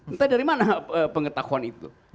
entah dari mana pengetahuan itu